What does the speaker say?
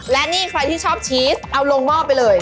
และนี่ใครที่ชอบชีสเอาลงหม้อไปเลย